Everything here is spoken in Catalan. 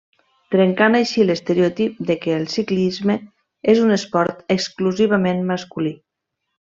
Trencant així l’estereotip de què el ciclisme és un esport exclusivament masculí.